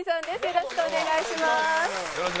よろしくお願いします。